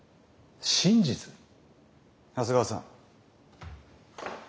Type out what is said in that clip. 長谷川さん。